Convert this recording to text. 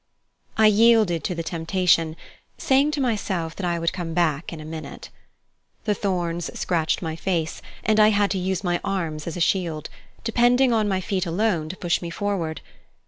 I yielded to the temptation, saying to myself that I would come back in a minute. The thorns scratched my face, and I had to use my arms as a shield, depending on my feet alone to push me forward.